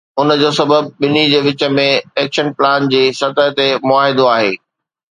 ان جو سبب ٻنهي جي وچ ۾ ايڪشن پلان جي سطح تي معاهدو آهي.